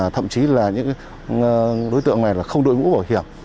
thậm chí là những đối tượng này không đội mũ bảo hiểm